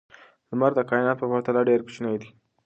لمر د کائناتو په پرتله ډېر کوچنی دی.